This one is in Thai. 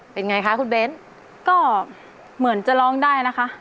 เป็นไงคะคุณเบ้นก็เหมือนจะร้องได้นะคะ